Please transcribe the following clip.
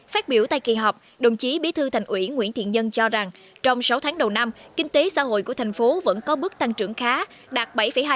phát biểu tại kỳ họp đồng chí bí thư thành ủy nguyễn thiện nhân cho rằng trong sáu tháng đầu năm kinh tế xã hội của thành phố vẫn có bước tăng trưởng khá đạt bảy hai